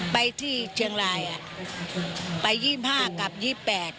ไปที่เชียงรายอ่ะไปยี่ห้ากับยี่แปด